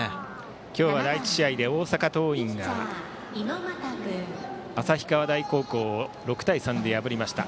今日は第１試合で大阪桐蔭が旭川大高校を６対３で破りました。